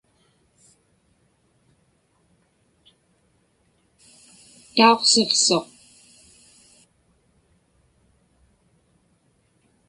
Tauqsiqsuq.